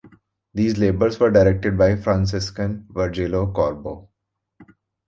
These labors were directed by Franciscan Virgilio Corbo.